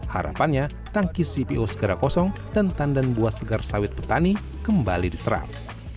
harapannya tangki cpo segera kosong dan tandan buah segar sawit petani kembali diserang